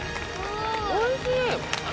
おいしい！